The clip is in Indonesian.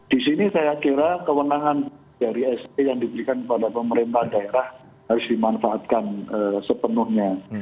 di sini saya kira kewenangan dari se yang diberikan kepada pemerintah daerah harus dimanfaatkan sepenuhnya